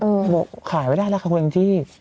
เขาบอกขายไว้ได้แล้วค่ะเขาเองที่